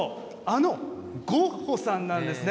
あのゴッホさんなんです。